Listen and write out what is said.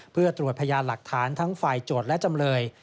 เพื่อตรวจพยานหลักฐานทั้งฝ่ายโจทย์และจำเลย